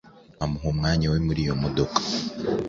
amuha umwanya we muri iyo modoka